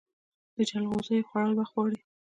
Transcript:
د جلغوزیو خوړل وخت غواړي.